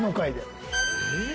えっ？